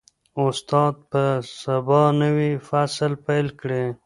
استاد به سبا نوی فصل پیل کړي.